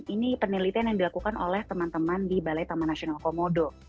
ini penelitian yang dilakukan oleh teman teman di balai taman nasional komodo